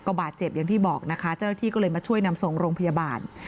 บาดเจ็บอย่างที่บอกนะคะเจ้าหน้าที่ก็เลยมาช่วยนำส่งโรงพยาบาล